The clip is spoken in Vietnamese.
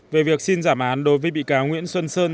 về việc xin giảm án đối với bị cáo nguyễn xuân sơn